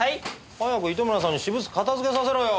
早く糸村さんに私物片付けさせろよ。